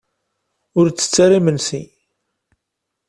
Ur ttett ara imensi.